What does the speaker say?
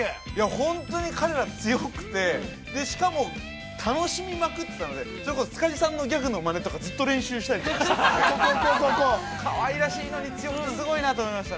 ◆本当に彼ら強くて、しかも楽しみまくってたので、お疲れさんのギャグのまねとか、ずっとしてたりして、かわいらしいのに、強くてすごいと思いました。